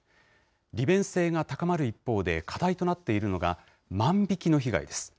利便性が高まる一方で、課題となっているのが、万引きの被害です。